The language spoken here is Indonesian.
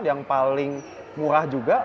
yang paling murah juga